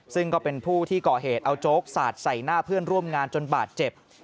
ซึ่งก็เป็นผู้ที่ก่อเหตุเอาโจ๊กสาดใส่หน้าเพื่อนร่วมงานจนบาดเจ็บ